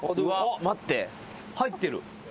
待って入ってる。